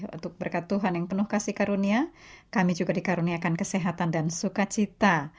sebagai tuhan yang penuh kasih karunia kami juga dikaruniakan kesehatan dan sukacita